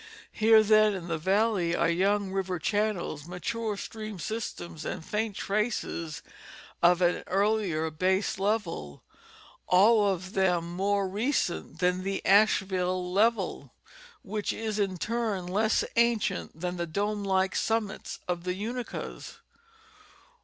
Here then in the valley are young river channels, mature stream systems and faint traces of an ear lier base level, all of them more recent than the Asheville level, which is in turn less ancient than the dome like summits of the TJnakas.